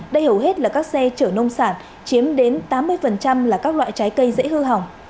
đây hầu hết là các xe chở nông sản chiếm đến tám mươi là các loại trái cây dễ hư hỏng